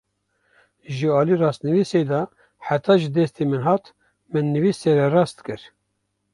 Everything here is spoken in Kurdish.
Ji alî rastnivîsê de heta ji destê min hat, min nivîs sererast kir